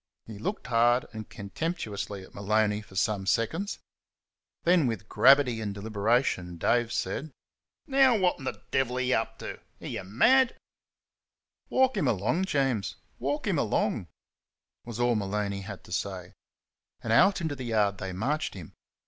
He looked hard and contemptuously at Maloney for some seconds. Then with gravity and deliberation Dave said: "Now wot 'n th' devil are y' up t'? Are y' mad?" "Walk 'm along, Jaimes walk 'm along," was all Maloney had to say. And out into the yard they marched him.